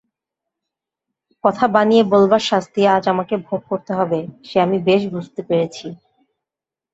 কথা বানিয়ে বলবার শাস্তি আজ আমাকে ভোগ করতে হবে সে আমি বেশ বুঝতে পেরেছি।